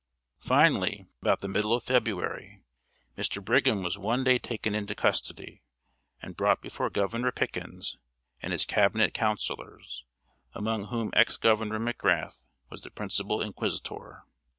Finally, about the middle of February, Mr. Brigham was one day taken into custody, and brought before Governor Pickens and his cabinet counselors, among whom Ex Governor McGrath was the principal inquisitor.